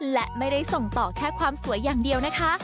และไม่ได้ส่งต่อแค่ความสวยอย่างเดียวนะคะ